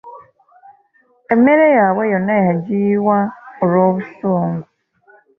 Emmere yaabwe yonna yagiyiwa olw’obusungu.